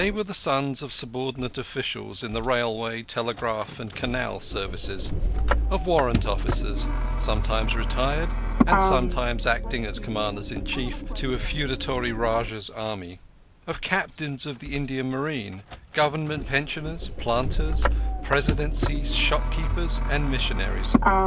They were sons of subordinate officials in the Railway, Telegraph, and Canal Services; of warrant officers, sometimes retired and sometimes acting as commanders in chief to a feudatory Rajah's army; of captains of the Indian Marine Government pensioners, planters, Presidency shopkeepers, and missionaries.